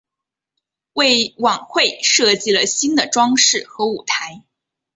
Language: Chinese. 为晚会设计了新的装饰和舞台。